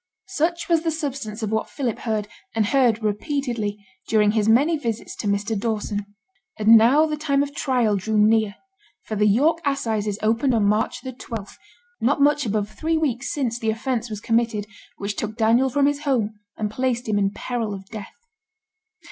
Such was the substance of what Philip heard, and heard repeatedly, during his many visits to Mr. Dawson. And now the time of trial drew near; for the York assizes opened on March the twelfth; not much above three weeks since the offence was committed which took Daniel from his home and placed him in peril of death.